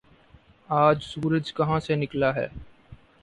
آج سورج کہاں سے نکلا ہے